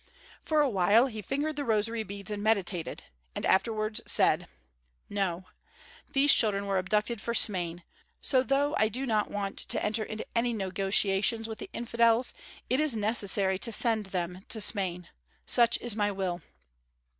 For a while he fingered the rosary beads and meditated, and afterwards said: "No. These children were abducted for Smain; so, though I do not want to enter into any negotiations with the infidels, it is necessary to send them to Smain. Such is my will."